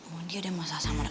mondi ada masalah sama rekat